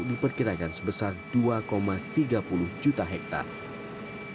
diperkirakan sebesar dua tiga puluh juta hektare